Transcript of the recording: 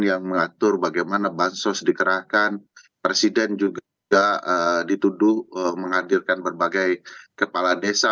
yang mengatur bagaimana bansos dikerahkan presiden juga dituduh menghadirkan berbagai kepala desa